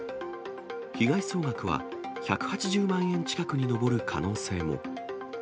被害総額は１８０万円近くに上る可能性も。